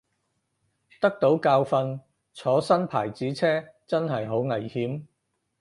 得到教訓，坐新牌子車真係好危險